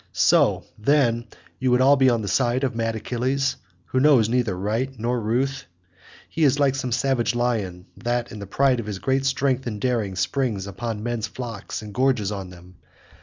So, then, you would all be on the side of mad Achilles, who knows neither right nor ruth? He is like some savage lion that in the pride of his great strength and daring springs upon men's flocks and gorges on them.